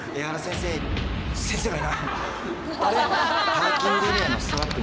パーキングエリアのストラップ。